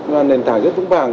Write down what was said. nền thảng rất vững vàng